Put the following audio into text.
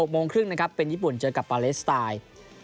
โมงครึ่งนะครับเป็นญี่ปุ่นเจอกับปาเลสไตล์